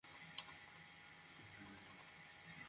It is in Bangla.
সামনে বাঁকা হয়ে বসুন!